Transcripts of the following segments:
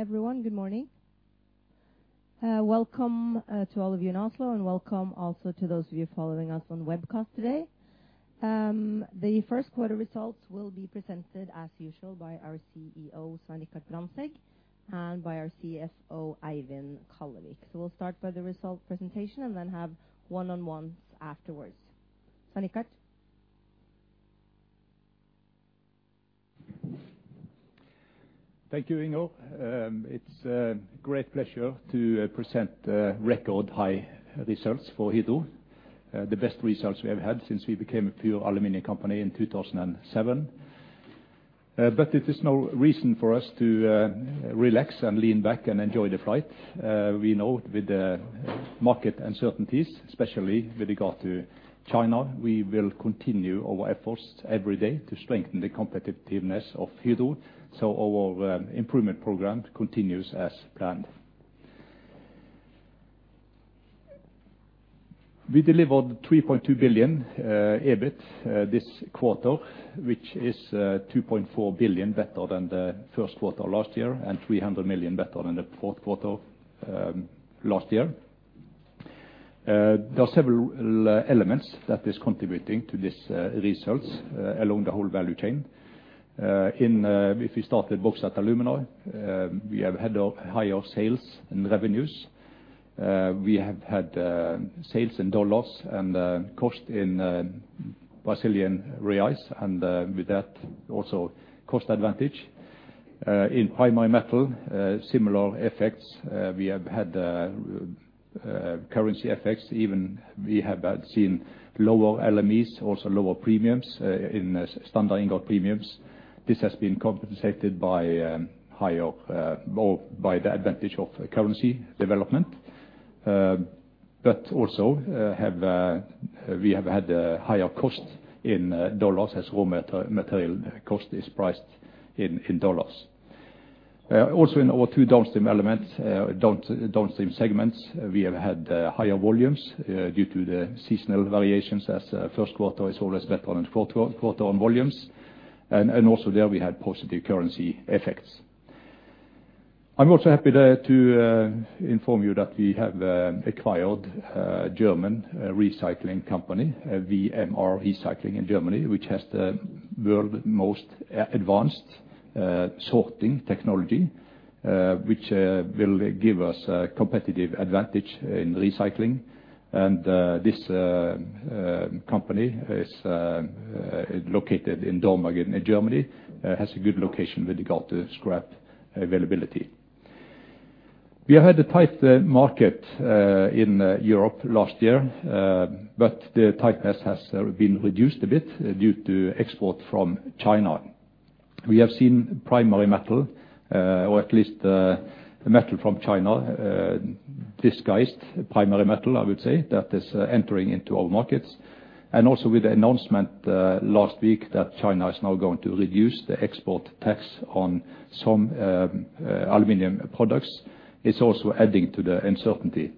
Welcome, everyone. Good morning. Welcome to all of you in Oslo, and welcome also to those of you following us on webcast today. The first quarter results will be presented as usual by our CEO, Svein Richard Brandtzæg, and by our CFO, Eivind Kallevik. We'll start by the result presentation, and then have one-on-ones afterwards. Svein Richard? Thank you, Inger. It's a great pleasure to present record-high results for Hydro, the best results we have had since we became a pure aluminum company in 2007. It is no reason for us to relax and lean back and enjoy the flight. We know with the market uncertainties, especially with regard to China, we will continue our efforts every day to strengthen the competitiveness of Hydro, so our improvement program continues as planned. We delivered 3.2 billion EBIT this quarter, which is 2.4 billion better than the first quarter last year, and 300 million better than the fourth quarter last year. There are several elements that is contributing to this results along the whole value chain. If we start with bauxite alumina, we have had higher sales and revenues. We have had sales in dollars and cost in Brazilian reals, and with that also cost advantage. In primary metal, similar effects. We have had currency effects, even though we have seen lower LMEs, also lower premiums in standard ingot premiums. This has been compensated by the advantage of currency development. Also, we have had higher costs in dollars as raw material cost is priced in dollars. Also in our two downstream segments, we have had higher volumes due to the seasonal variations as first quarter is always better than fourth quarter on volumes. Also there we had positive currency effects. I'm also happy to inform you that we have acquired a German recycling company, WMR Recycling in Germany, which has the world's most advanced sorting technology, which will give us a competitive advantage in recycling. This company is located in Dormagen in Germany, has a good location with regard to scrap availability. We had a tight market in Europe last year, but the tightness has been reduced a bit due to export from China. We have seen primary metal, or at least metal from China, disguised primary metal, I would say, that is entering into our markets. Also with the announcement last week that China is now going to reduce the export tax on some aluminum products, it's also adding to the uncertainty.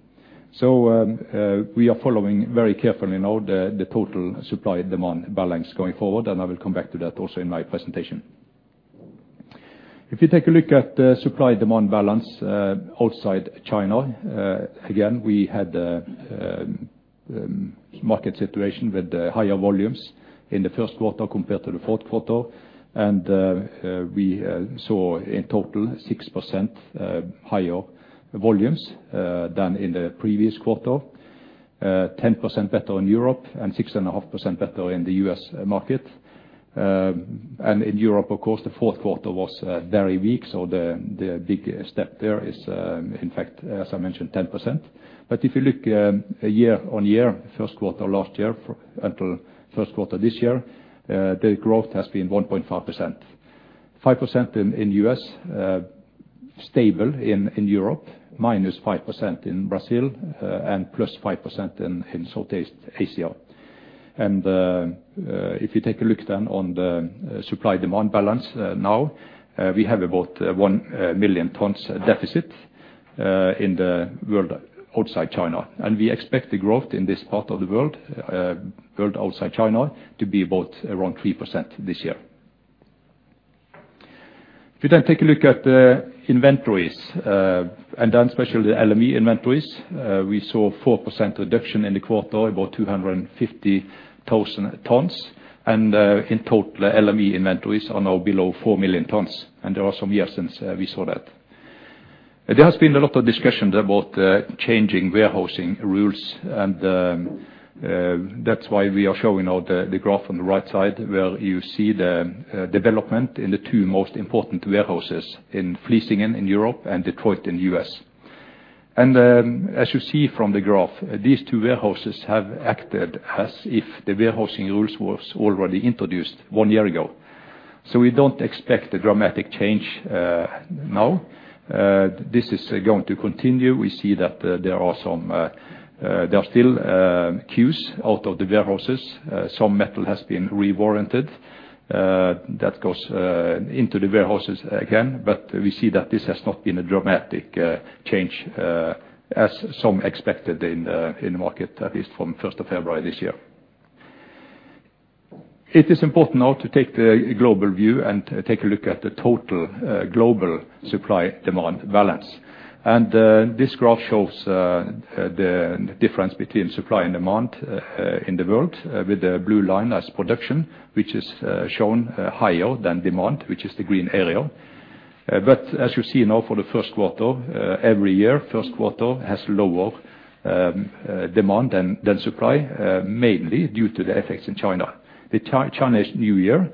We are following very carefully now the total supply-demand balance going forward, and I will come back to that also in my presentation. If you take a look at the supply-demand balance outside China, again, we had market situation with higher volumes in the first quarter compared to the fourth quarter. We saw in total 6% higher volumes than in the previous quarter. 10% better in Europe and 6.5% better in the U.S. market. In Europe, of course, the fourth quarter was very weak, so the big step there is, in fact, as I mentioned, 10%. If you look year-on-year, first quarter last year until first quarter this year, the growth has been 1.5%. 5% in U.S., stable in Europe, -5% in Brazil, and +5% in Southeast Asia. If you take a look then on the supply-demand balance now, we have about 1,000,000 tons deficit in the world outside China. We expect the growth in this part of the world outside China to be about around 3% this year. If you take a look at the inventories and especially the LME inventories, we saw 4% reduction in the quarter, about 250,000 tons. In total, LME inventories are now below 4,000,000 tons, and there are some years since we saw that. There has been a lot of discussions about changing warehousing rules, and that's why we are showing now the graph on the right side, where you see the development in the two most important warehouses in Vlissingen in Europe and Detroit in the U.S. As you see from the graph, these two warehouses have acted as if the warehousing rules was already introduced one year ago. We don't expect a dramatic change now. This is going to continue. We see that there are still queues out of the warehouses. Some metal has been re-warranted that goes into the warehouses again. We see that this has not been a dramatic change, as some expected in the market, at least from 1st of February this year. It is important now to take the global view and take a look at the total global supply demand balance. This graph shows the difference between supply and demand in the world with the blue line as production, which is shown higher than demand, which is the green area. As you see now for the first quarter every year first quarter has lower demand than supply mainly due to the effects in China. The Chinese New Year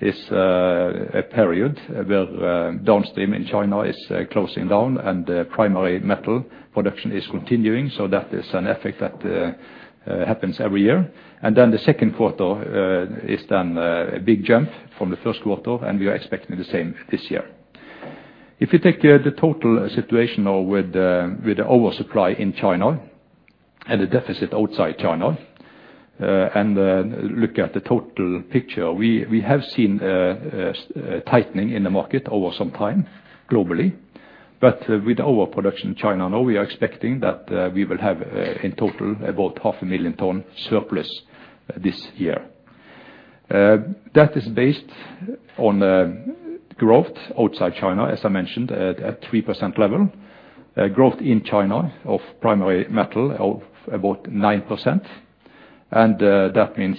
is a period where downstream in China is closing down and the primary metal production is continuing, so that is an effect that happens every year. The second quarter is a big jump from the first quarter, and we are expecting the same this year. If you take the total situation now with the oversupply in China and the deficit outside China, and look at the total picture, we have seen tightening in the market over some time globally. With overproduction in China, now we are expecting that we will have in total about 500,000 ton surplus this year. That is based on growth outside China, as I mentioned, at 3% level. Growth in China of primary metal of about 9%. That means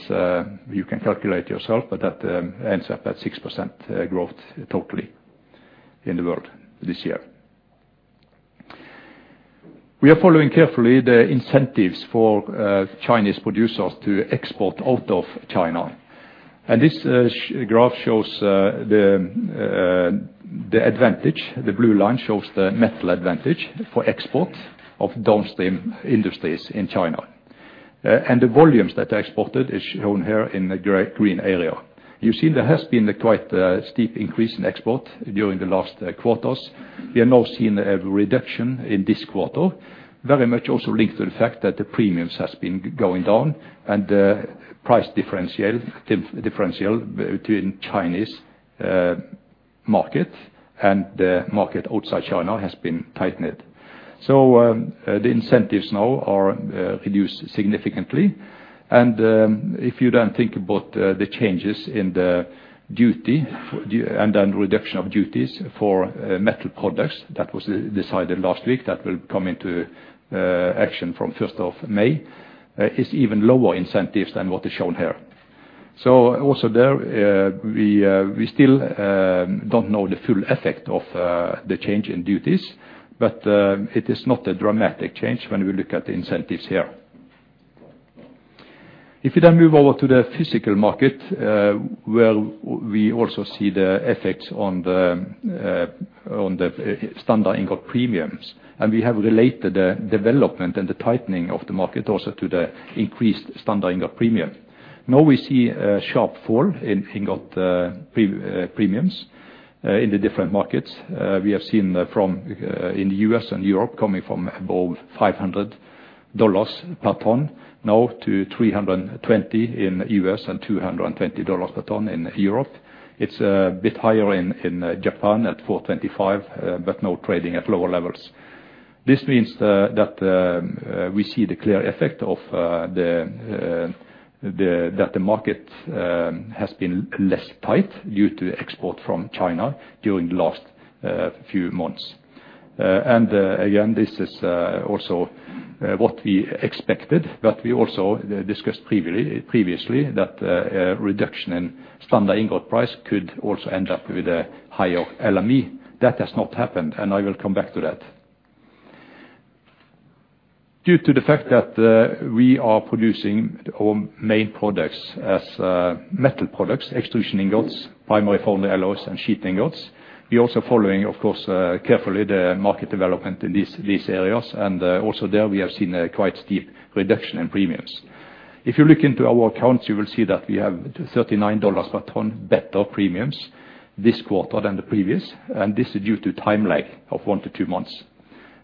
you can calculate yourself, but that ends up at 6% growth totally in the world this year. We are following carefully the incentives for Chinese producers to export out of China. This graph shows the advantage. The blue line shows the metal advantage for export of downstream industries in China. The volumes that are exported is shown here in the dark green area. You see there has been a quite steep increase in export during the last quarters. We are now seeing a reduction in this quarter, very much also linked to the fact that the premiums has been going down and price differential between Chinese market and the market outside China has been tightened. The incentives now are reduced significantly. If you then think about the changes in the duty and the reduction of duties for metal products, that was decided last week, that will come into action from 1st of May is even lower incentives than what is shown here. Also there we still don't know the full effect of the change in duties, but it is not a dramatic change when we look at the incentives here. If you then move over to the physical market, where we also see the effects on the standard ingot premiums, and we have related the development and the tightening of the market also to the increased standard ingot premium. Now we see a sharp fall in ingot premiums in the different markets. We have seen from in the U.S. and Europe coming from above $500 per ton now to $320 in U.S. and $220 per ton in Europe. It's a bit higher in Japan at $425, but now trading at lower levels. This means that we see the clear effect that the market has been less tight due to export from China during the last few months. Again, this is also what we expected, but we also discussed previously that a reduction in standard ingot premium could also end up with a higher LME. That has not happened, and I will come back to that. Due to the fact that we are producing our main products as metal products, extrusion ingots, primary foundry alloys, and sheet ingots, we're also following of course carefully the market development in these areas. Also there we have seen a quite steep reduction in premiums. If you look into our accounts, you will see that we have $39 per ton better premiums this quarter than the previous. This is due to time lag of one to two months.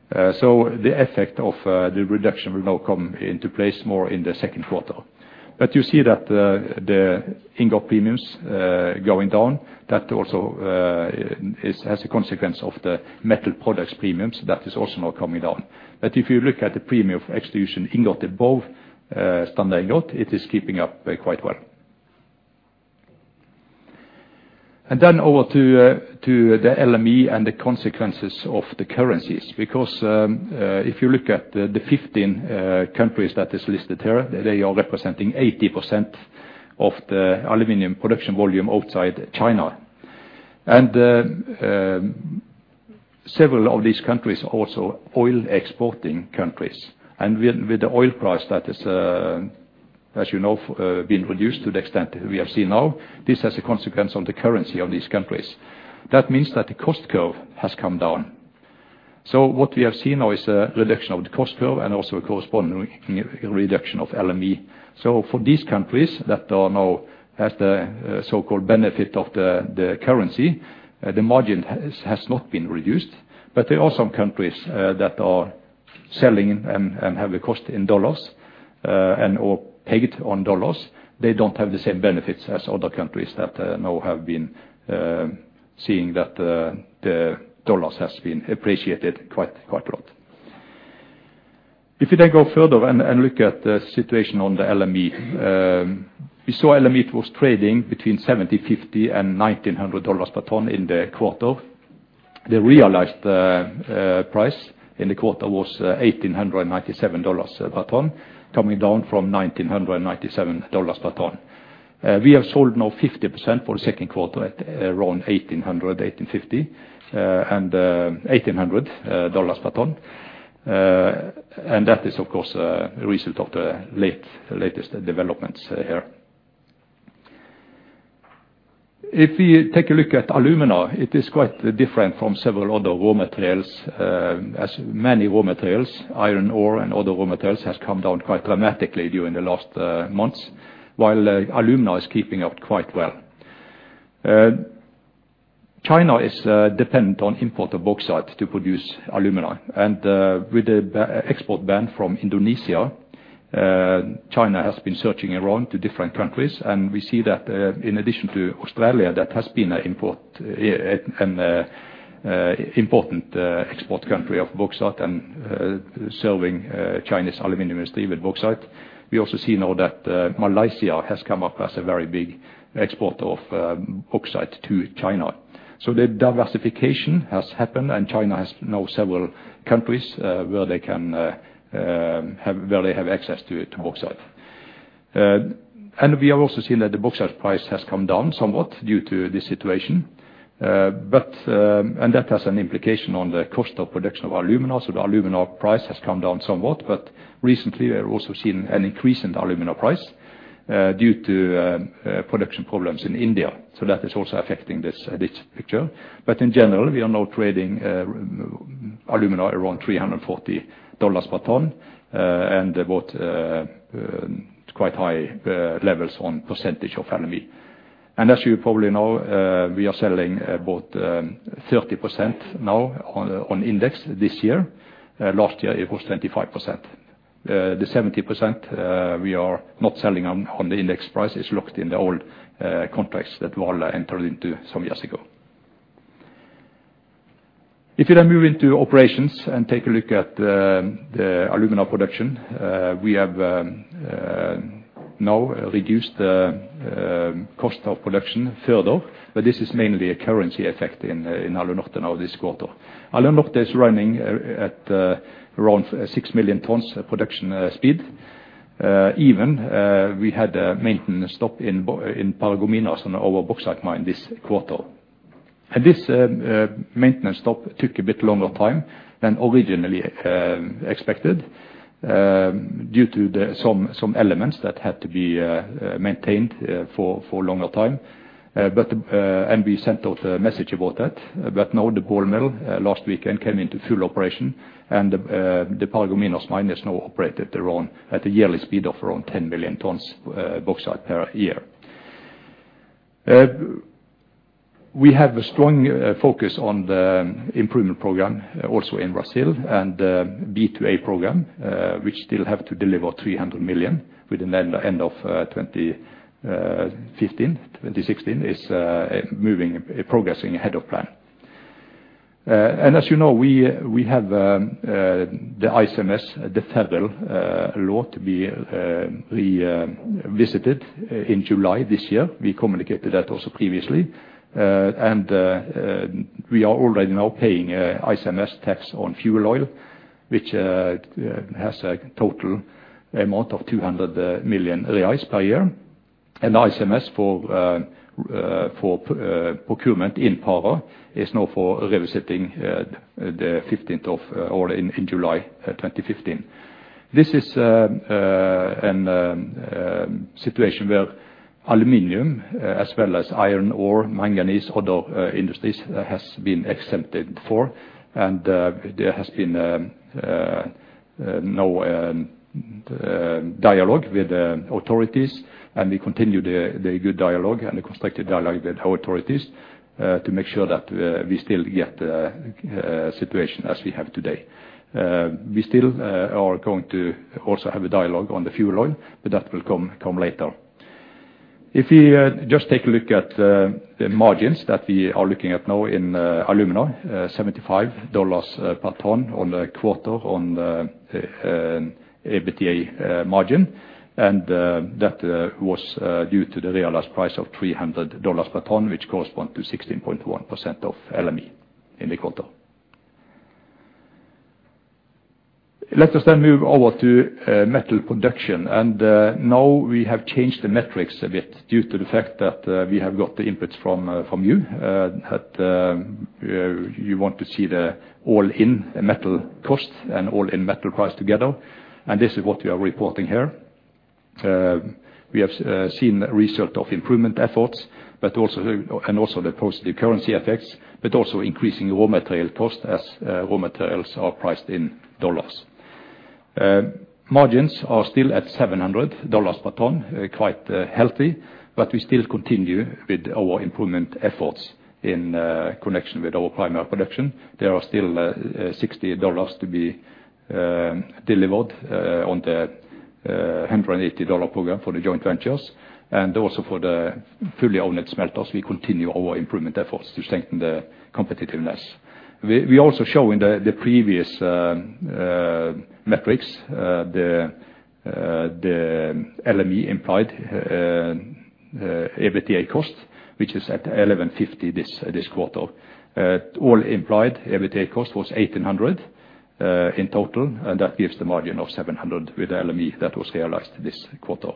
The effect of the reduction will now come into place more in the second quarter. You see that the ingot premiums going down, that also is as a consequence of the metal products premiums, that is also now coming down. If you look at the premium for extrusion ingot above standard ingot, it is keeping up quite well. Then over to the LME and the consequences of the currencies. Because if you look at the 15 countries that is listed here, they are representing 80% of the aluminum production volume outside China. Several of these countries are also oil exporting countries. With the oil price that is, as you know, been reduced to the extent we have seen now, this has a consequence on the currency of these countries. That means that the cost curve has come down. What we have seen now is a reduction of the cost curve and also a corresponding reduction of LME. For these countries that are now at the so-called benefit of the currency, the margin has not been reduced, but there are some countries that are selling and have a cost in dollars and/or pegged on dollars. They don't have the same benefits as other countries that now have been seeing that the dollars has been appreciated quite a lot. If you then go further and look at the situation on the LME, you saw LME was trading between $750-$1,900 per ton in the quarter. The realized price in the quarter was $1,897 per ton, coming down from $1,997 per ton. We have sold now 50% for the second quarter at around $1,800, $1,850, and $1,800 per ton. That is, of course, a result of the latest developments here. If we take a look at alumina, it is quite different from several other raw materials, as many raw materials, iron ore and other raw materials, has come down quite dramatically during the last months, while alumina is keeping up quite well. China is dependent on import of bauxite to produce alumina. With the export ban from Indonesia, China has been searching around to different countries. We see that, in addition to Australia, that has been an important export country of bauxite and serving Chinese aluminum industry with bauxite. We also see now that Malaysia has come up as a very big exporter of bauxite to China. The diversification has happened, and China has now several countries where they have access to bauxite. We have also seen that the bauxite price has come down somewhat due to this situation. That has an implication on the cost of production of alumina, so the alumina price has come down somewhat. Recently, we're also seeing an increase in the alumina price due to production problems in India. That is also affecting this picture. In general, we are now trading alumina around $340 per ton and at quite high levels on percentage of LME. As you probably know, we are selling about 30% now on index this year. Last year, it was 25%. The 70%, we are not selling on the index price is locked in the old contracts that Vale entered into some years ago. If you now move into operations and take a look at the alumina production, we have now reduced the cost of production further, but this is mainly a currency effect in Alunorte now this quarter. Alunorte is running at around 6,000,000 tons production speed. We had a maintenance stop in Paragominas on our bauxite mine this quarter. This maintenance stop took a bit longer time than originally expected, due to some elements that had to be maintained for longer time. We sent out a message about that. Now the ball mill last weekend came into full operation, and the Paragominas mine is now operated at a yearly speed of around 10,000,000 tons bauxite per year. We have a strong focus on the improvement program also in Brazil, and B2A program, which still have to deliver 300 million within the end of 2015. 2016 is progressing ahead of plan. As you know, we have the ICMS deferral law to be revisited in July this year. We communicated that also previously. We are already now paying ICMS tax on fuel oil, which has a total amount of 200 million reais per year. ICMS for procurement in power is now for revisiting the 15th or in July 2015. This is a situation where aluminum, as well as iron ore, manganese, other industries has been exempted before. There has been no dialogue with authorities. We continue the good dialogue and the constructive dialogue with our authorities to make sure that we still get a situation as we have today. We still are going to also have a dialogue on the fuel oil, but that will come later. If we just take a look at the margins that we are looking at now in alumina, $75 per ton on the quarter on EBITDA margin. That was due to the realized price of $300 per ton, which corresponds to 16.1% of LME in the quarter. Let us move over to metal production. Now we have changed the metrics a bit due to the fact that we have got the inputs from you that you want to see the all-in metal cost and all-in metal price together. This is what we are reporting here. We have seen results of improvement efforts, but also the positive currency effects, but also increasing raw material cost as raw materials are priced in dollars. Margins are still at $700 per ton, quite healthy, but we still continue with our improvement efforts in connection with our primary production. There are still $60 to be delivered on the $180 program for the joint ventures, and also for the fully-owned smelters, we continue our improvement efforts to strengthen the competitiveness. We also show in the previous metrics the LME implied EBITDA cost, which is at $1,150 this quarter. All implied EBITDA cost was $1,800 in total, and that gives the margin of $700 with LME that was realized this quarter.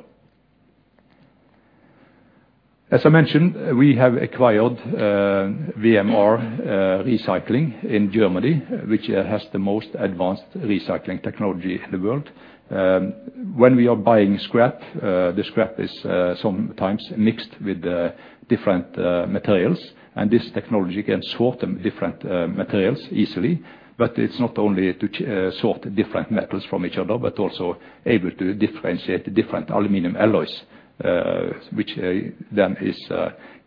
As I mentioned, we have acquired WMR Recycling in Germany, which has the most advanced recycling technology in the world. When we are buying scrap, the scrap is sometimes mixed with different materials, and this technology can sort the different materials easily. It's not only to sort different metals from each other, but also able to differentiate the different aluminum alloys. Which then is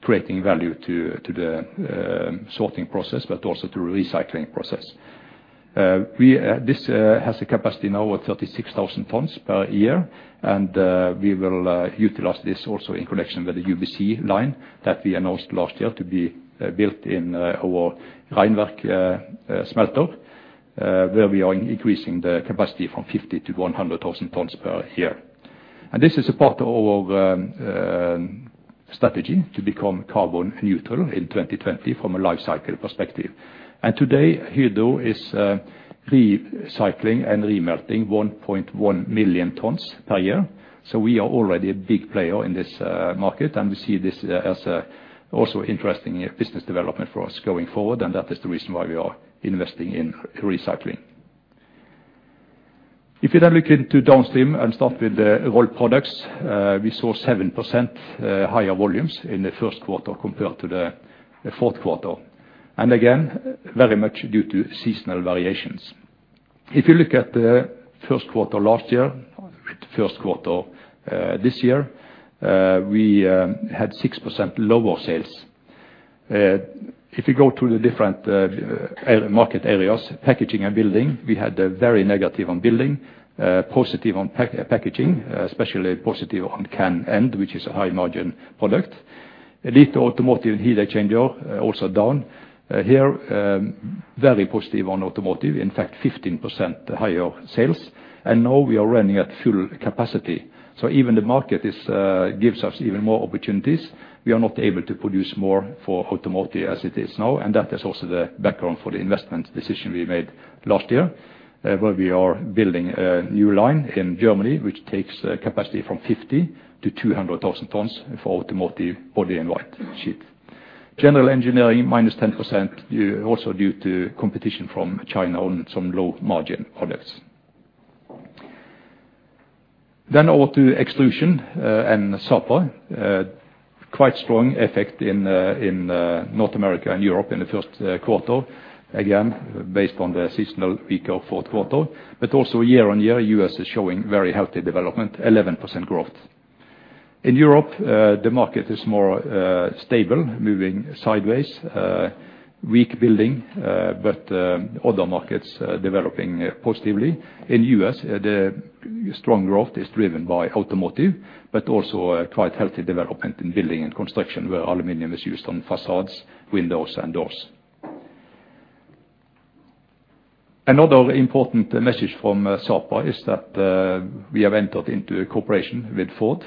creating value to the sorting process, but also to recycling process. This has a capacity now of 36,000 tons per year, and we will utilize this also in connection with the UBC line that we announced last year to be built in our Rheinfelden smelter. Where we are increasing the capacity from 50,000 to 100,000 tons per year. This is a part of our strategy to become carbon neutral in 2020 from a life cycle perspective. Today, Hydro is recycling and remelting 1.1 million tons per year. We are already a big player in this market, and we see this as also an interesting business development for us going forward, and that is the reason why we are investing in recycling. If you then look into downstream and start with the rolled products, we saw 7% higher volumes in the first quarter compared to the fourth quarter, and again, very much due to seasonal variations. If you look at the first quarter last year with first quarter this year, we had 6% lower sales. If you go through the different market areas, packaging and building, we had a very negative on building, positive on packaging, especially positive on can end, which is a high margin product. A little automotive and heat exchanger also down. Here, very positive on automotive. In fact, 15% higher sales. Now we are running at full capacity. So even the market gives us even more opportunities. We are not able to produce more for automotive as it is now, and that is also the background for the investment decision we made last year, where we are building a new line in Germany, which takes capacity from 50,000 to 200,000 tons for automotive body in white sheet. General engineering, -10% also due to competition from China on some low margin products. Over to Extrusion and Sapa. Quite strong effect in North America and Europe in the first quarter. Again, based on the seasonal peak of fourth quarter. Also year-on-year, U.S. is showing very healthy development, 11% growth. In Europe, the market is more stable, moving sideways. Weak building, but other markets developing positively. In U.S., the strong growth is driven by automotive, but also a quite healthy development in building and construction, where aluminum is used on facades, windows and doors. Another important message from Sapa is that we have entered into a cooperation with Ford.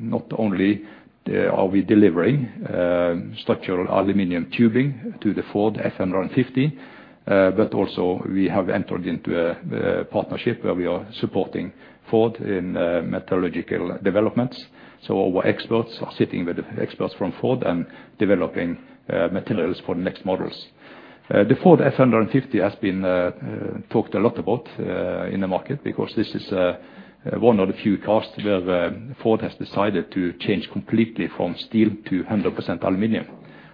Not only are we delivering structural aluminum tubing to the Ford F-150, but also we have entered into a partnership where we are supporting Ford in metallurgical developments. Our experts are sitting with experts from Ford and developing materials for next models. The Ford F-150 has been talked a lot about in the market, because this is one of the few cars where Ford has decided to change completely from steel to 100% aluminum.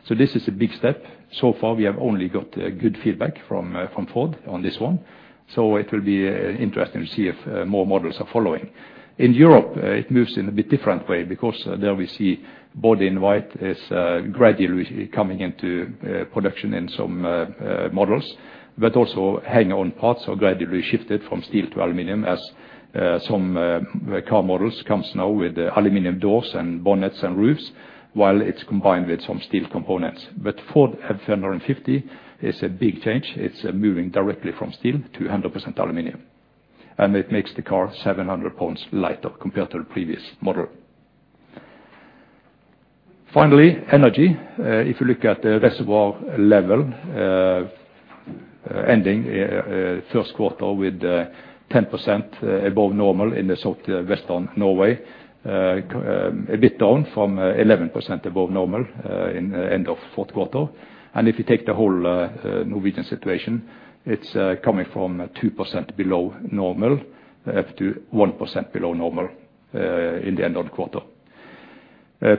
This is a big step. So far, we have only got good feedback from Ford on this one. It will be interesting to see if more models are following. In Europe, it moves in a bit different way because there we see body in white is gradually coming into production in some models. Also hang on parts are gradually shifted from steel to aluminum as some car models comes now with aluminum doors and bonnets and roofs, while it's combined with some steel components. Ford F-150 is a big change. It's moving directly from steel to 100% aluminum, and it makes the car 700 lbs lighter compared to the previous model. Finally, energy. If you look at the reservoir level, ending first quarter with 10% above normal in the southwestern Norway. A bit down from 11% above normal in end of fourth quarter. If you take the whole Norwegian situation, it's coming from 2% below normal to 1% below normal in the end of the quarter.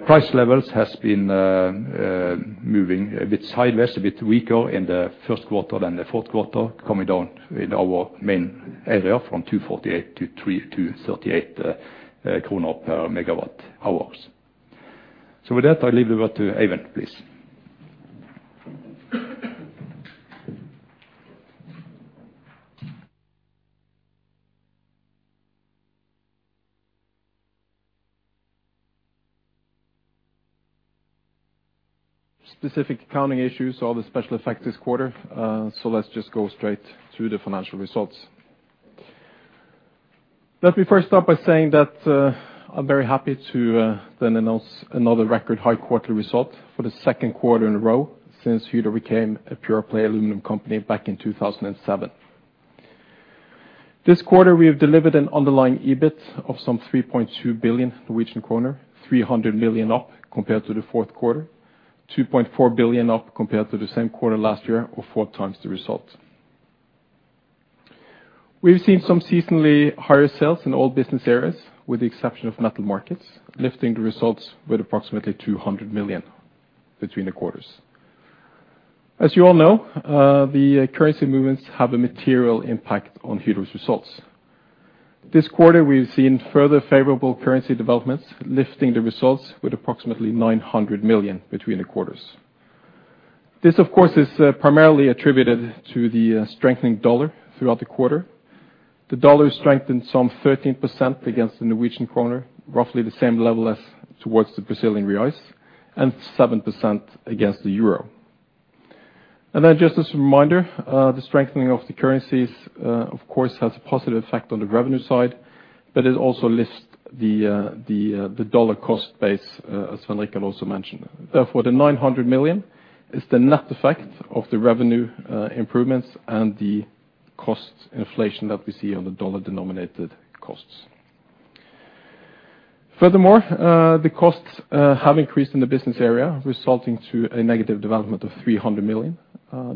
Price levels has been moving a bit sideways, a bit weaker in the first quarter than the fourth quarter, coming down in our main area from 248 to 3,238 kroner per MWh. With that, I leave it over to Eivind, please. Specific accounting issues are the special effect this quarter, so let's just go straight to the financial results. Let me first start by saying that, I'm very happy to then announce another record high quarterly result for the second quarter in a row since Hydro became a pure play aluminum company back in 2007. This quarter, we have delivered an underlying EBIT of some 3.2 billion Norwegian kroner, 300 million up compared to the fourth quarter, 2.4 billion up compared to the same quarter last year, or 4x the result. We've seen some seasonally higher sales in all business areas, with the exception of metal markets, lifting the results with approximately 200 million between the quarters. As you all know, the currency movements have a material impact on Hydro's results. This quarter, we've seen further favorable currency developments lifting the results with approximately 900 million between the quarters. This, of course, is primarily attributed to the strengthening dollar throughout the quarter. The dollar strengthened some 13% against the Norwegian kroner, roughly the same level as towards the Brazilian reals, and 7% against the euro. Just as a reminder, the strengthening of the currencies, of course, has a positive effect on the revenue side, but it also lifts the dollar cost base, as Svein Richard also mentioned. Therefore, the 900 million is the net effect of the revenue improvements and the cost inflation that we see on the dollar-denominated costs. Furthermore, the costs have increased in the business area, resulting in a negative development of 300 million.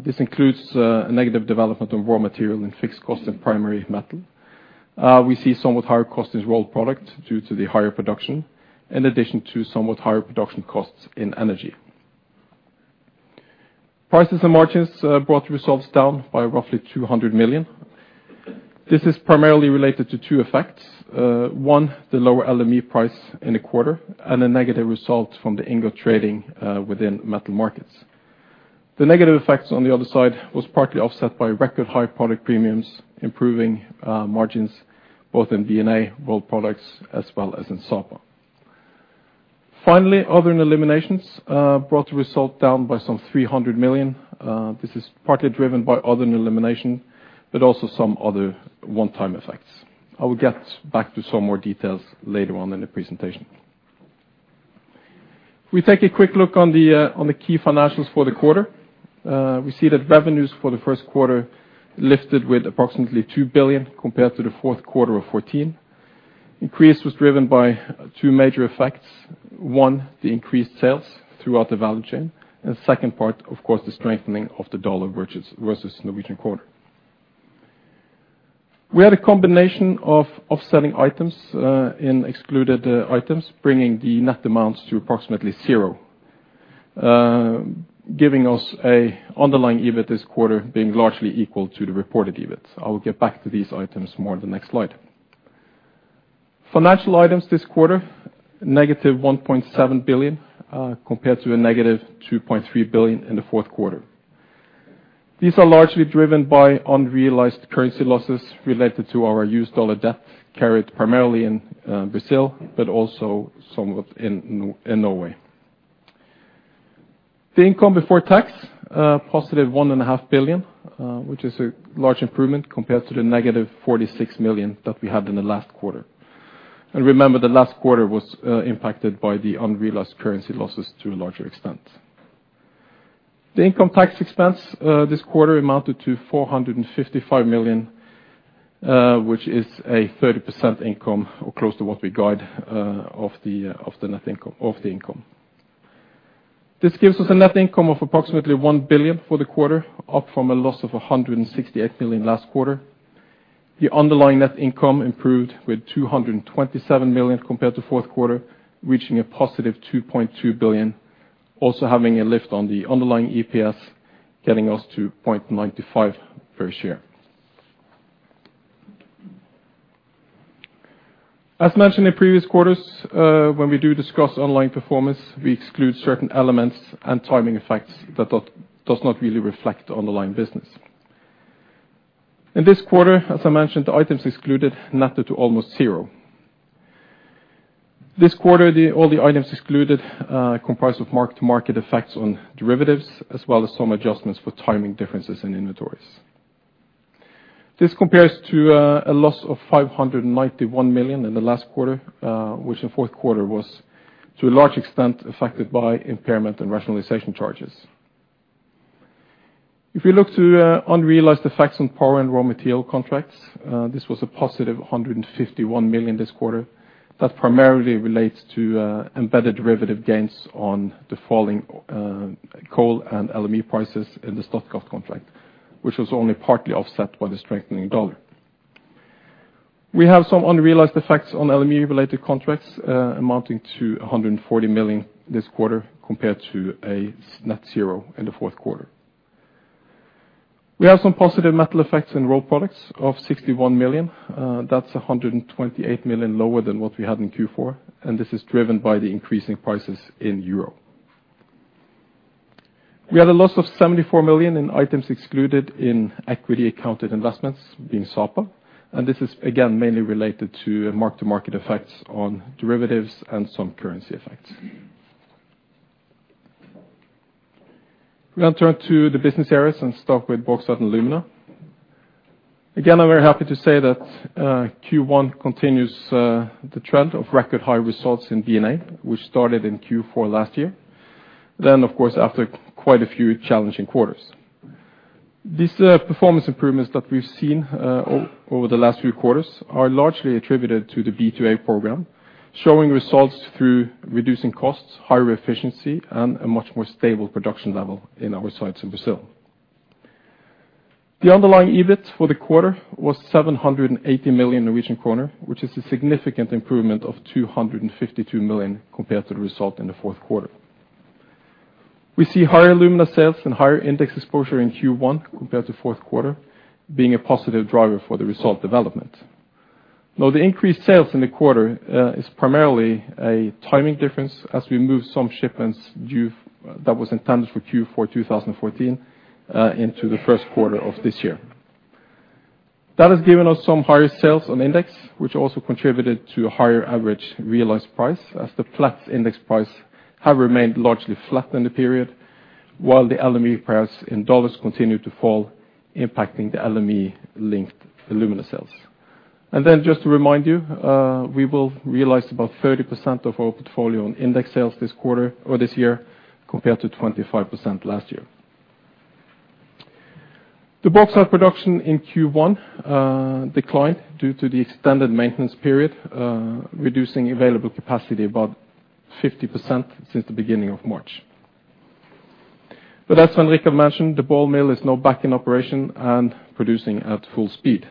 This includes a negative development of raw material and fixed costs in primary metal. We see somewhat higher cost in rolled product due to the higher production, in addition to somewhat higher production costs in energy. Prices and margins brought results down by roughly 200 million. This is primarily related to two effects. One, the lower LME price in the quarter, and a negative result from the ingot trading within metal markets. The negative effects on the other side was partly offset by record high product premiums, improving margins both in B&A rolled products as well as in Sapa. Finally, other than eliminations brought the result down by some 300 million. This is partly driven by other than elimination, but also some other one-time effects. I will get back to some more details later on in the presentation. If we take a quick look on the key financials for the quarter, we see that revenues for the first quarter lifted with approximately 2 billion compared to the fourth quarter of 2014. Increase was driven by two major effects. One, the increased sales throughout the value chain, and second part, of course, the strengthening of the dollar versus Norwegian kroner. We had a combination of offsetting items in excluded items, bringing the net amounts to approximately zero, giving us a underlying EBIT this quarter being largely equal to the reported EBIT. I will get back to these items more in the next slide. Financial items this quarter, -1.7 billion, compared to a -2.3 billion in the fourth quarter. These are largely driven by unrealized currency losses related to our U.S. Dollar debt carried primarily in Brazil, but also somewhat in Norway. The income before tax +1.5 billion, which is a large improvement compared to the -46 million that we had in the last quarter. Remember, the last quarter was impacted by the unrealized currency losses to a larger extent. The income tax expense this quarter amounted to 455 million, which is a 30% income or close to what we guide of the net income of the income. This gives us a net income of approximately 1 billion for the quarter, up from a loss of 168 million last quarter. The underlying net income improved with 227 million compared to fourth quarter, reaching a positive 2.2 billion, also having a lift on the underlying EPS, getting us to 0.95 per share. As mentioned in previous quarters, when we do discuss ongoing performance, we exclude certain elements and timing effects that does not really reflect ongoing business. In this quarter, as I mentioned, the items excluded netted to almost zero. This quarter, all the items excluded comprise of mark-to-market effects on derivatives as well as some adjustments for timing differences in inventories. This compares to a loss of 591 million in the last quarter, which the fourth quarter was, to a large extent, affected by impairment and rationalization charges. If you look to unrealized effects on power and raw material contracts, this was a positive 151 million this quarter. That primarily relates to embedded derivative gains on the falling coal and LME prices in the Statkraft contract, which was only partly offset by the strengthening dollar. We have some unrealized effects on LME-related contracts, amounting to 140 million this quarter, compared to a net zero in the fourth quarter. We have some positive metal effects in Rolled Products of 61 million. That's 128 million lower than what we had in Q4, and this is driven by the increasing prices in euro. We had a loss of 74 million in items excluded in equity accounted investments being Sapa, and this is again, mainly related to mark to market effects on derivatives and some currency effects. We now turn to the business areas and start with bauxite alumina. Again, I'm very happy to say that Q1 continues the trend of record high results in B&A, which started in Q4 last year. Of course, after quite a few challenging quarters. These performance improvements that we've seen over the last few quarters are largely attributed to the B2A program, showing results through reducing costs, higher efficiency, and a much more stable production level in our sites in Brazil. The underlying EBIT for the quarter was 780 million Norwegian kroner, which is a significant improvement of 252 million compared to the result in the fourth quarter. We see higher alumina sales and higher index exposure in Q1 compared to fourth quarter, being a positive driver for the result development. Now the increased sales in the quarter is primarily a timing difference as we move some shipments that was intended for Q4 2014 into the first quarter of this year. That has given us some higher sales on index, which also contributed to a higher average realized price as the flat index price have remained largely flat in the period, while the LME price in dollars continued to fall, impacting the LME-linked alumina sales. Just to remind you, we will realize about 30% of our portfolio on index sales this quarter or this year, compared to 25% last year. The bauxite production in Q1 declined due to the extended maintenance period, reducing available capacity about 50% since the beginning of March. As Svein Richard mentioned, the ball mill is now back in operation and producing at full speed.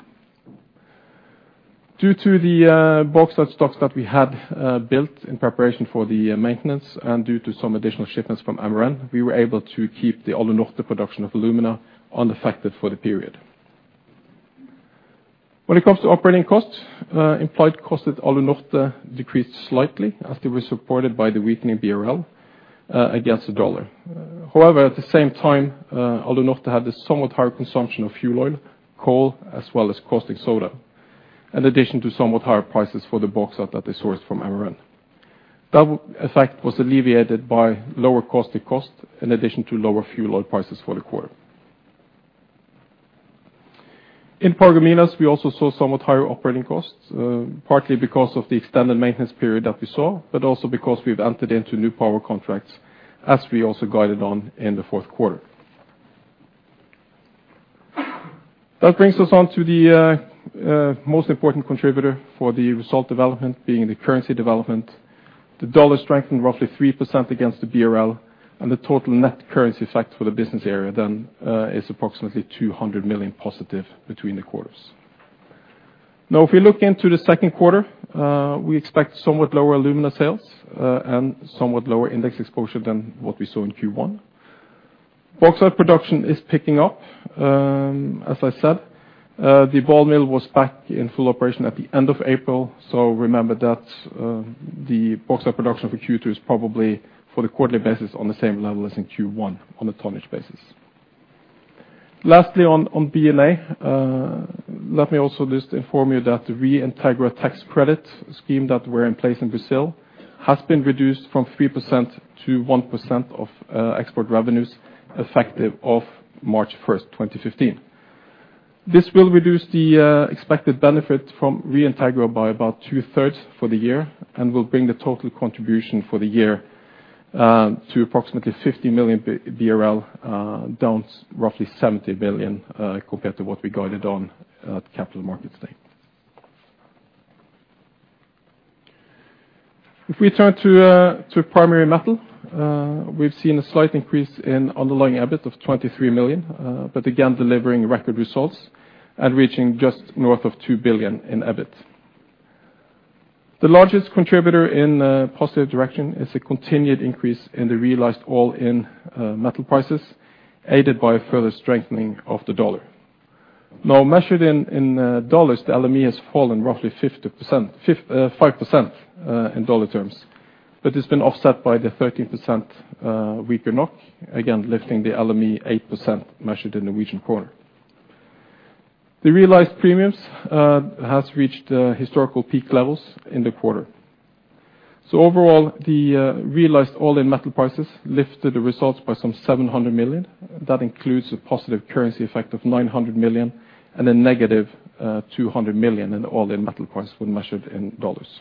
Due to the bauxite stocks that we had built in preparation for the maintenance and due to some additional shipments from MRN, we were able to keep the Alunorte production of alumina unaffected for the period. When it comes to operating costs, implied cost at Alunorte decreased slightly as it was supported by the weakening BRL against the dollar. However, at the same time, Alunorte had a somewhat higher consumption of fuel oil, coal, as well as caustic soda, in addition to somewhat higher prices for the bauxite that they sourced from MRN. That effect was alleviated by lower caustic costs in addition to lower fuel oil prices for the quarter. In Paragominas, we also saw somewhat higher operating costs, partly because of the extended maintenance period that we saw, but also because we've entered into new power contracts as we also guided on in the fourth quarter. That brings us on to the most important contributor for the result development being the currency development. The dollar strengthened roughly 3% against the BRL, and the total net currency effect for the business area then is approximately 200 million positive between the quarters. Now if we look into the second quarter, we expect somewhat lower alumina sales and somewhat lower index exposure than what we saw in Q1. Bauxite production is picking up, as I said. The ball mill was back in full operation at the end of April. Remember that the bauxite production for Q2 is probably on a quarterly basis on the same level as in Q1 on a tonnage basis. Lastly, on B&A, let me also just inform you that the Reintegra tax credit scheme that were in place in Brazil has been reduced from 3% to 1% of export revenues effective of March 1st, 2015. This will reduce the expected benefit from Reintegra by about 2/3 for the year and will bring the total contribution for the year to approximately 50 million BRL, down roughly 70 million, compared to what we guided on at Capital Markets Day. If we turn to primary metal, we've seen a slight increase in underlying EBIT of 23 million, but again, delivering record results and reaching just north of 2 billion in EBIT. The largest contributor in a positive direction is a continued increase in the realized all-in metal prices, aided by a further strengthening of the dollar. Now measured in dollars, the LME has fallen roughly 5% in dollar terms, but it's been offset by the 13% weaker NOK, again lifting the LME 8% measured in Norwegian kroner. The realized premiums has reached historical peak levels in the quarter. Overall, the realized all-in metal prices lifted the results by some 700 million. That includes a positive currency effect of 900 million and a -200 million in all-in metal prices when measured in dollars.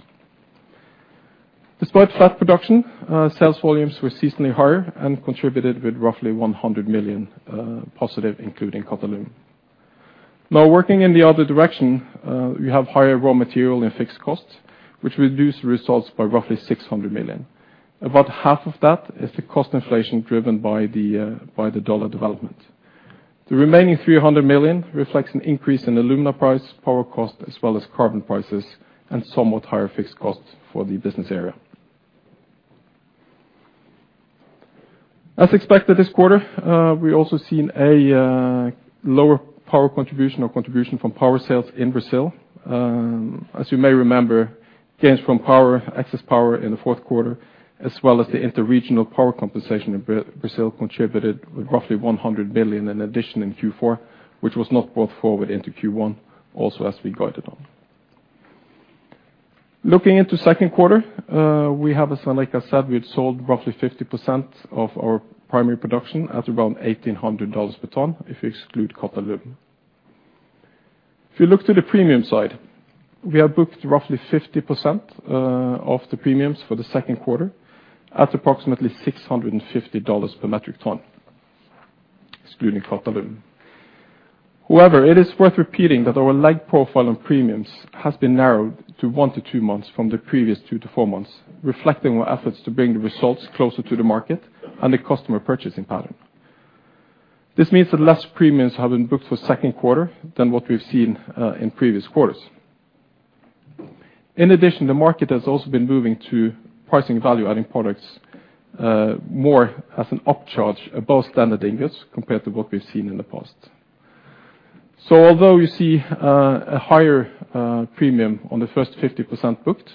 Despite flat production, sales volumes were seasonally higher and contributed with roughly 100 million positive including Qatalum. Now working in the other direction, we have higher raw material and fixed costs, which reduced results by roughly 600 million. About half of that is the cost inflation driven by the dollar development. The remaining 300 million reflects an increase in alumina price, power cost, as well as carbon prices, and somewhat higher fixed costs for the business area. As expected this quarter, we also seen a lower power contribution from power sales in Brazil. As you may remember, gains from power, excess power in the fourth quarter, as well as the interregional power compensation in Brazil contributed roughly 100 billion in addition in Q4, which was not brought forward into Q1, also as we guided on. Looking into second quarter, we have, as Svein Richard said, we had sold roughly 50% of our primary production at around $1,800 per ton if you exclude Qatalum. If you look to the premium side, we have booked roughly 50% of the premiums for the second quarter at approximately $650 per metric ton, excluding Qatalum. However, it is worth repeating that our lag profile on premiums has been narrowed to one to two months from the previous two to four months, reflecting our efforts to bring the results closer to the market and the customer purchasing pattern. This means that less premiums have been booked for second quarter than what we've seen in previous quarters. In addition, the market has also been moving to pricing value-adding products more as an upcharge above standard ingots compared to what we've seen in the past. Although you see a higher premium on the first 50% booked,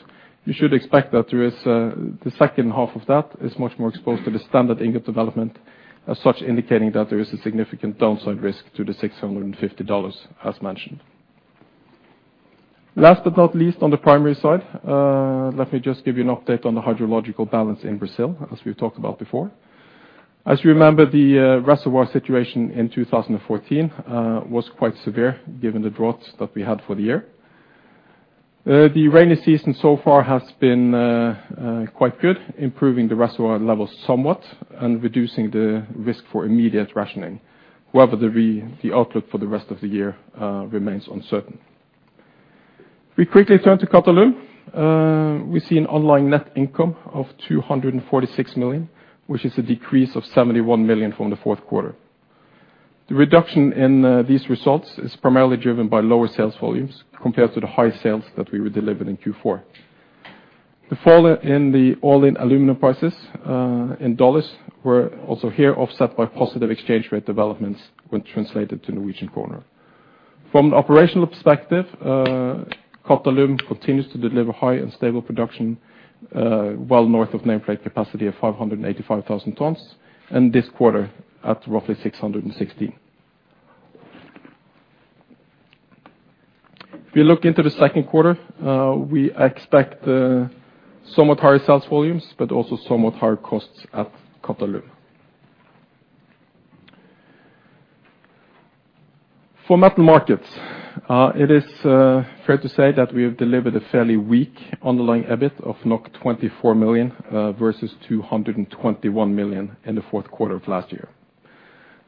you should expect that there is the second half of that is much more exposed to the standard ingot development, as such indicating that there is a significant downside risk to the $650, as mentioned. Last but not least, on the primary side, let me just give you an update on the hydrological balance in Brazil, as we've talked about before. As you remember, the reservoir situation in 2014 was quite severe given the droughts that we had for the year. The rainy season so far has been quite good, improving the reservoir levels somewhat and reducing the risk for immediate rationing. However, the outlook for the rest of the year remains uncertain. We quickly turn to Qatalum. We see an ongoing net income of 246 million, which is a decrease of 71 million from the fourth quarter. The reduction in these results is primarily driven by lower sales volumes compared to the high sales that we were delivering in Q4. The fall in the all-in aluminum prices in dollars were also here offset by positive exchange rate developments when translated to Norwegian kroner. From an operational perspective, Qatalum continues to deliver high and stable production well north of nameplate capacity of 585,000 tons, and this quarter at roughly 660. If you look into the second quarter, we expect somewhat higher sales volumes, but also somewhat higher costs at Qatalum. For metal markets, it is fair to say that we have delivered a fairly weak underlying EBIT of 24 million versus 221 million in the fourth quarter of last year.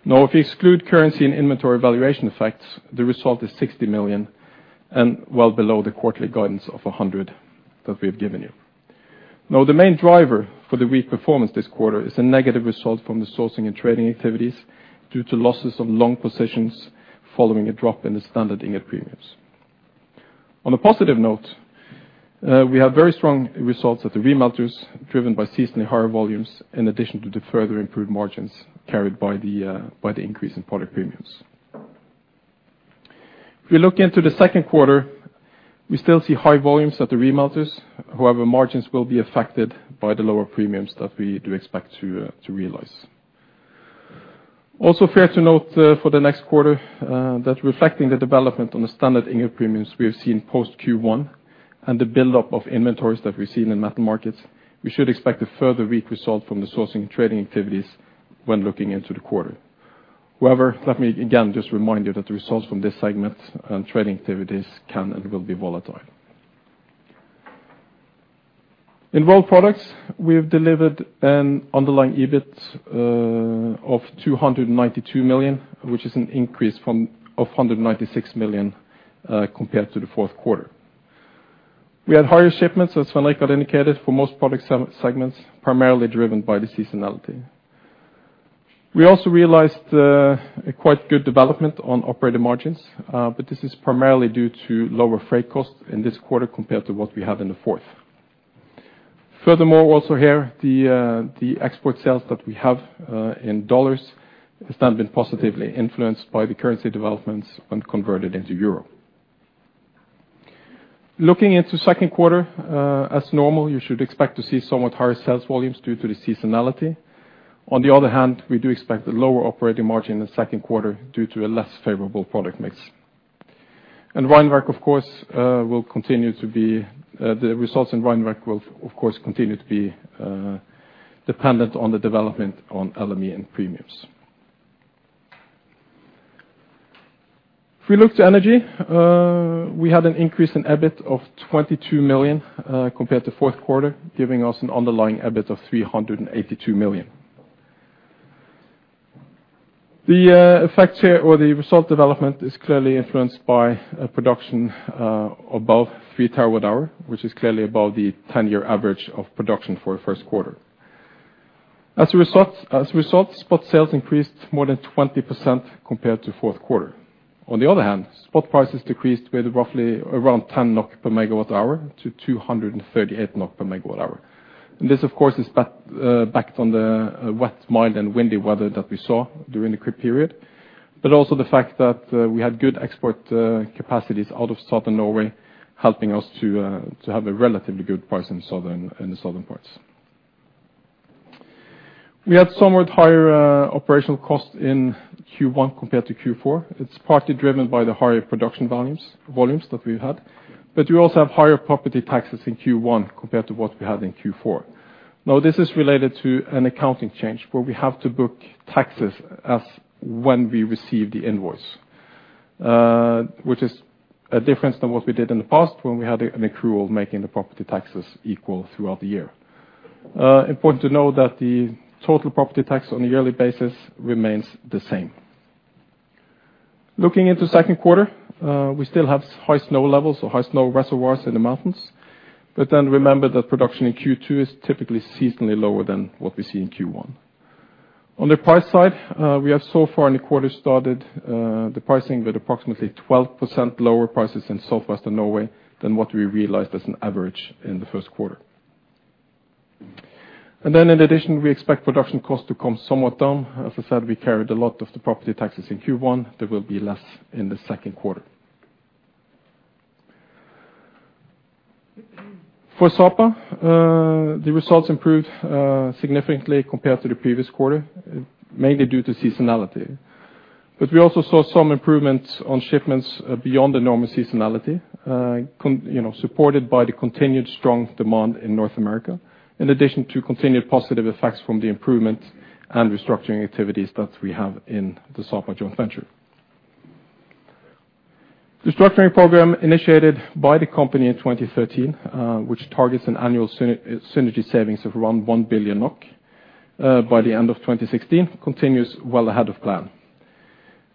Now if you exclude currency and inventory valuation effects, the result is 60 million and well below the quarterly guidance of 100 million that we have given you. Now the main driver for the weak performance this quarter is a negative result from the sourcing and trading activities due to losses of long positions following a drop in the standard ingot premiums. On a positive note, we have very strong results at the remelters driven by seasonally higher volumes in addition to the further improved margins carried by the by the increase in product premiums. If you look into the second quarter, we still see high volumes at the remelters. However, margins will be affected by the lower premiums that we do expect to realize. Also fair to note, for the next quarter, that reflecting the development on the standard ingot premiums we have seen post Q1 and the buildup of inventories that we've seen in metal markets, we should expect a further weak result from the sourcing and trading activities when looking into the quarter. However, let me again just remind you that the results from this segment and trading activities can and will be volatile. In rolled products, we have delivered an underlying EBIT of 292 million, which is an increase from 196 million compared to the fourth quarter. We had higher shipments, as Svein Richard indicated, for most product segments, primarily driven by the seasonality. We also realized a quite good development on operating margins, but this is primarily due to lower freight costs in this quarter compared to what we had in the fourth. Furthermore, also here, the export sales that we have in dollars has now been positively influenced by the currency developments when converted into euro. Looking into second quarter, as normal, you should expect to see somewhat higher sales volumes due to the seasonality. On the other hand, we do expect a lower operating margin in the second quarter due to a less favorable product mix. The results in Rheinwerk will, of course, continue to be dependent on the development on LME and premiums. If we look to energy, we had an increase in EBIT of 22 million compared to fourth quarter, giving us an underlying EBIT of 382 million. The effect here or the result development is clearly influenced by a production above 3 TWh, which is clearly above the 10-year average of production for a first quarter. As a result, spot sales increased more than 20% compared to fourth quarter. On the other hand, spot prices decreased with roughly around 10 NOK per MWh to 238 NOK per MWh. This, of course, is backed on the wet, mild and windy weather that we saw during the quarter period. Also the fact that we had good export capacities out of Southern Norway, helping us to have a relatively good price in the Southern parts. We had somewhat higher operational costs in Q1 compared to Q4. It's partly driven by the higher production volumes that we had. We also have higher property taxes in Q1 compared to what we had in Q4. Now, this is related to an accounting change where we have to book taxes as when we receive the invoice, which is a difference than what we did in the past when we had an accrual making the property taxes equal throughout the year. Important to know that the total property tax on a yearly basis remains the same. Looking into second quarter, we still have high snow levels or high snow reservoirs in the mountains. Remember that production in Q2 is typically seasonally lower than what we see in Q1. On the price side, we have so far in the quarter started the pricing with approximately 12% lower prices in southwest Norway than what we realized as an average in the first quarter. In addition, we expect production costs to come somewhat down. As I said, we carried a lot of the property taxes in Q1. There will be less in the second quarter. For Sapa, the results improved significantly compared to the previous quarter, mainly due to seasonality. We also saw some improvements on shipments beyond the normal seasonality, you know, supported by the continued strong demand in North America, in addition to continued positive effects from the improvement and restructuring activities that we have in the Sapa joint venture. Restructuring program initiated by the company in 2013, which targets an annual synergy savings of around 1 billion NOK, by the end of 2016, continues well ahead of plan.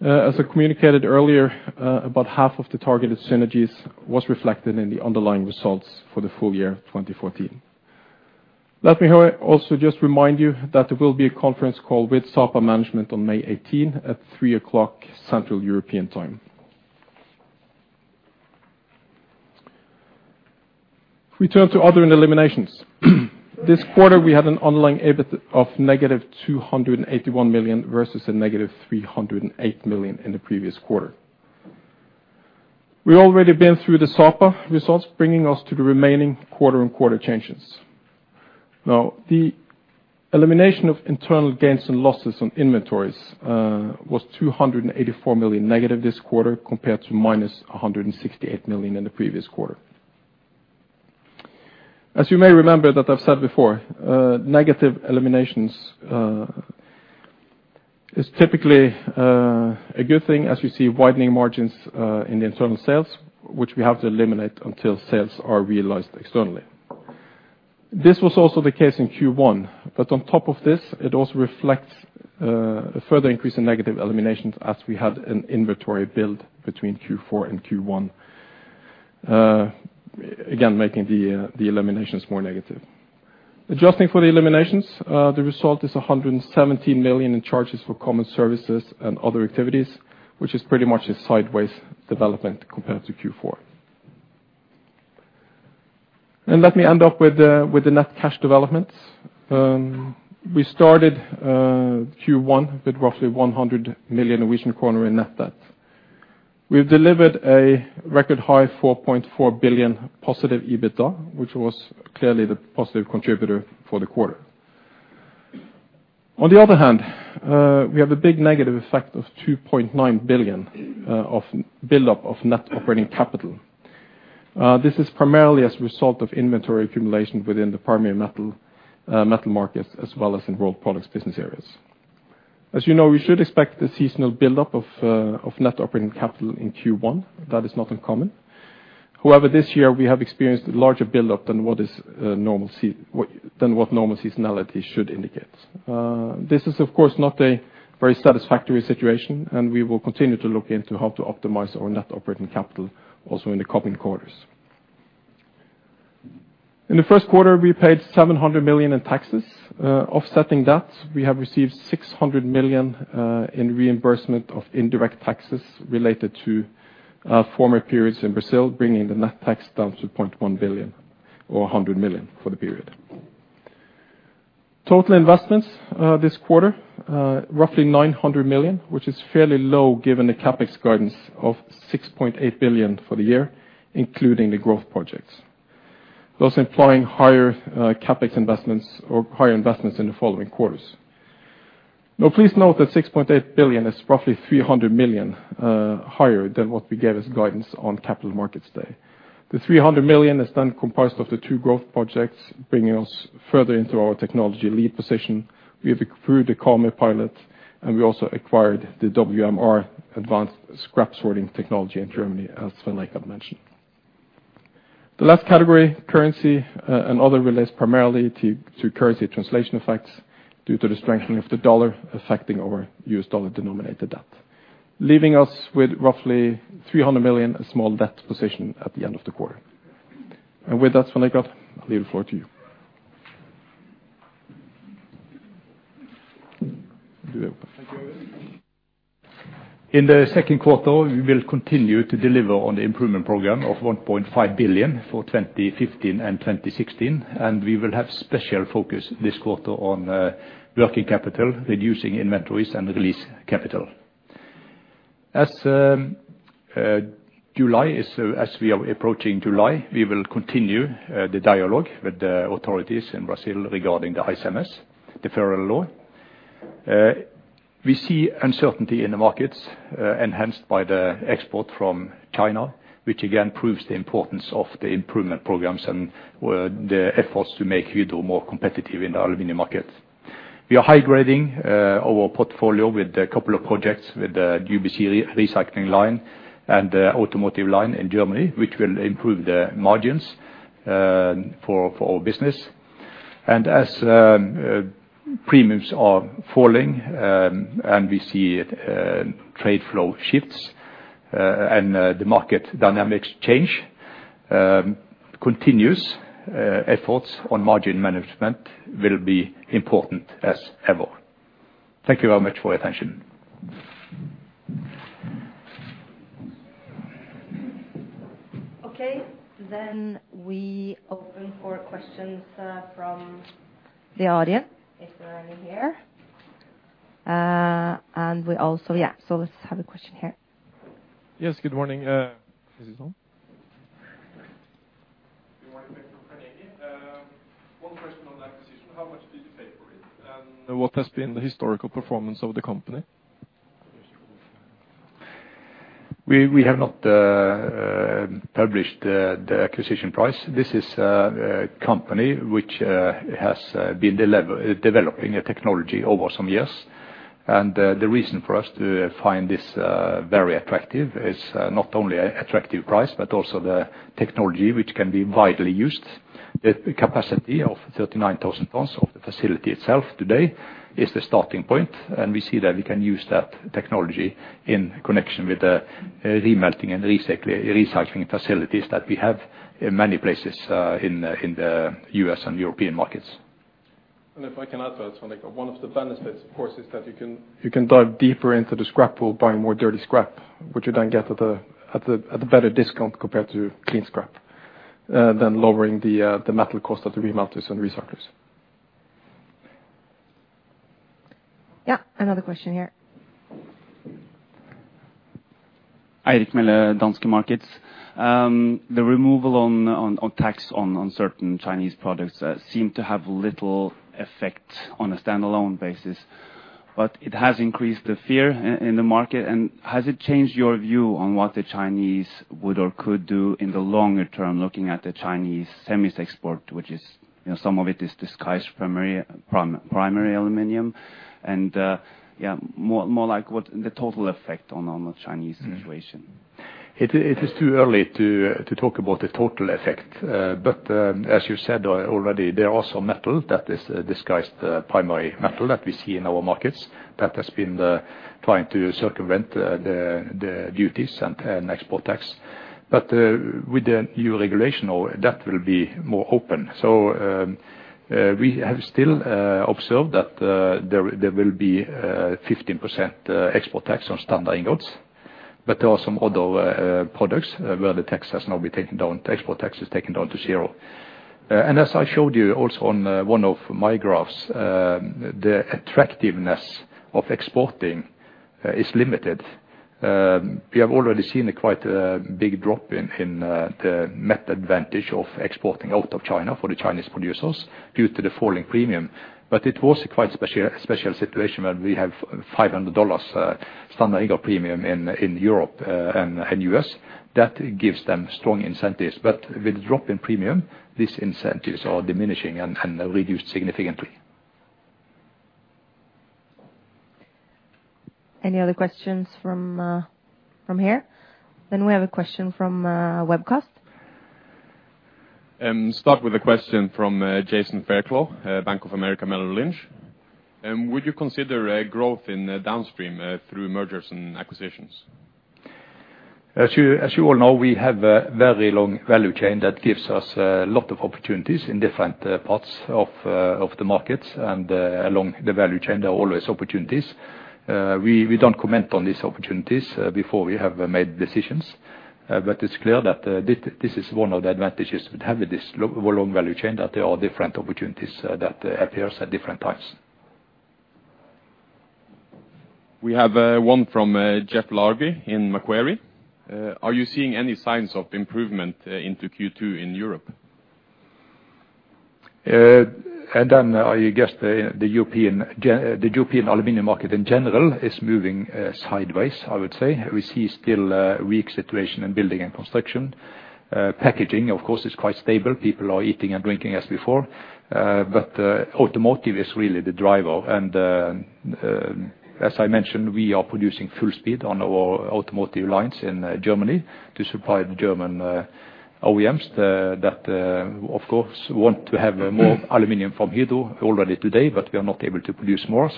As I communicated earlier, about half of the targeted synergies was reflected in the underlying results for the full year of 2014. Let me, however, also just remind you that there will be a conference call with Sapa management on May 18 at 3:00 P.M. Central European Time. If we turn to other and eliminations. This quarter, we had an underlying EBIT of -281 million, versus a -308 million in the previous quarter. We've already been through the Sapa results, bringing us to the remaining quarter and quarter changes. Now, the elimination of internal gains and losses on inventories, was -284 million this quarter, compared to -168 million in the previous quarter. As you may remember that I've said before, negative eliminations, is typically, a good thing as we see widening margins, in the internal sales, which we have to eliminate until sales are realized externally. This was also the case in Q1, but on top of this, it also reflects a further increase in negative eliminations as we had an inventory build between Q4 and Q1, again, making the eliminations more negative. Adjusting for the eliminations, the result is 117 million in charges for common services and other activities, which is pretty much a sideways development compared to Q4. Let me end up with the net cash developments. We started Q1 with roughly 100 million Norwegian kroner in net debt. We've delivered a record high 4.4 billion positive EBITDA, which was clearly the positive contributor for the quarter. On the other hand, we have a big negative effect of 2.9 billion of buildup of net operating capital. This is primarily as a result of inventory accumulation within the primary metal markets as well as in tolled products business areas. As you know, we should expect the seasonal buildup of of net operating capital in Q1. That is not uncommon. However, this year we have experienced a larger buildup than what is normal what than what normal seasonality should indicate. This is of course not a very satisfactory situation, and we will continue to look into how to optimize our net operating capital also in the coming quarters. In the first quarter, we paid 700 million in taxes. Offsetting that, we have received 600 million in reimbursement of indirect taxes related to former periods in Brazil, bringing the net tax down to 0.1 billion or 100 million for the period. Total investments this quarter roughly 900 million, which is fairly low given the CapEx guidance of 6.8 billion for the year, including the growth projects. Those implying higher CapEx investments or higher investments in the following quarters. Now please note that 6.8 billion is roughly 300 million higher than what we gave as guidance on Capital Markets Day. The 300 million is then comprised of the two growth projects bringing us further into our technology lead position. We have accrued the Karmøy pilot, and we also acquired the WMR advanced scrap sorting technology in Germany, as Svein Richard mentioned. The last category, currency, and other relates primarily to currency translation effects due to the strengthening of the dollar affecting our U.S. dollar denominated debt, leaving us with roughly $300 million, a small debt position at the end of the quarter. With that, Svein Richard, I leave the floor to you. In the second quarter, we will continue to deliver on the improvement program of 1.5 billion for 2015 and 2016, and we will have special focus this quarter on working capital, reducing inventories and release capital. As we are approaching July, we will continue the dialogue with the authorities in Brazil regarding the ICMS, the federal law. We see uncertainty in the markets, enhanced by the export from China, which again proves the importance of the improvement programs and where the efforts to make Hydro more competitive in the aluminum markets. We are high-grading our portfolio with a couple of projects with the UBC recycling line and the automotive line in Germany, which will improve the margins for our business. As premiums are falling, and we see trade flow shifts, and the market dynamics change, continuous efforts on margin management will be important as ever. Thank you very much for your attention. Okay, we open for questions from the audience if there are any here. Yeah, let's have a question here. Yes, good morning. Is this on? Good morning. Thank you. One question on the acquisition. How much did you pay for it, and what has been the historical performance of the company? We have not published the acquisition price. This is a company which has been developing a technology over some years. The reason for us to find this very attractive is not only attractive price but also the technology which can be widely used. The capacity of 39,000 tons of the facility itself today is the starting point, and we see that we can use that technology in connection with the remelting and recycling facilities that we have in many places in the U.S. and European markets. If I can add to that, Svein Richard. One of the benefits, of course, is that you can dive deeper into the scrap pool buying more dirty scrap, which you then get at a better discount compared to clean scrap than lowering the metal cost of the remelters and recyclers. Yeah, another question here. Eirik Melle, Danske Markets. The removal of tax on certain Chinese products seem to have little effect on a standalone basis, but it has increased the fear in the market. Has it changed your view on what the Chinese would or could do in the longer term, looking at the Chinese semis export, which is, you know, some of it is disguised primary aluminum, and yeah, more like what the total effect on the Chinese situation? It is too early to talk about the total effect. As you said already, there are also metal that is disguised as primary metal that we see in our markets that has been trying to circumvent the duties and export tax. With the new regulation that will be more open. We have still observed that there will be 15% export tax on standard ingots, but there are some other products where the export tax has now been taken down to zero. As I showed you also on one of my graphs, the attractiveness of exporting is limited. We have already seen a quite big drop in the net advantage of exporting out of China for the Chinese producers due to the falling premium. It was a quite special situation where we have $500 standard ingot premium in Europe and U.S. That gives them strong incentives, but with drop in premium, these incentives are diminishing and reduced significantly. Any other questions from here? We have a question from webcast. Start with a question from Jason Fairclough, Bank of America Merrill Lynch. Would you consider a growth in downstream through mergers and acquisitions? As you all know, we have a very long value chain that gives us a lot of opportunities in different parts of the markets and along the value chain, there are always opportunities. We don't comment on these opportunities before we have made decisions. It's clear that this is one of the advantages we have with this long value chain, that there are different opportunities that appears at different times. We have one from Jeff Largey in Macquarie. Are you seeing any signs of improvement into Q2 in Europe? I guess the European aluminum market in general is moving sideways, I would say. We see still a weak situation in building and construction. Packaging, of course, is quite stable. People are eating and drinking as before. Automotive is really the driver. As I mentioned, we are producing full speed on our automotive lines in Germany to supply the German OEMs that, of course, want to have more aluminum from Hydro already today, but we are not able to produce more.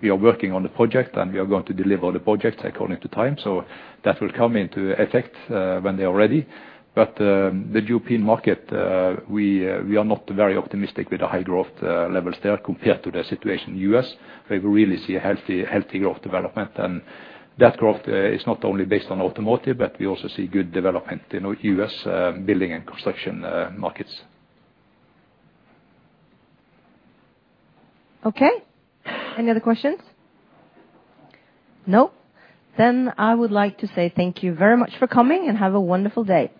We are working on the project, and we are going to deliver the project according to time. That will come into effect when they are ready. The European market, we are not very optimistic with the high growth levels there compared to the situation in U.S., where we really see a healthy growth development. That growth is not only based on automotive, but we also see good development in U.S. building and construction markets. Okay. Any other questions? No. I would like to say thank you very much for coming, and have a wonderful day.